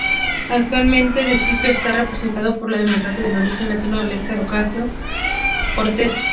Actualmente el distrito está representado por la demócrata de origen latino Alexandria Ocasio-Cortez.